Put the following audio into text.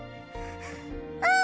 うん！